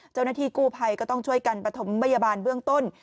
เจ้าหน้าที่กู้ภัยก็ต้องช่วยกันประถมพยาบาลเบื้องต้น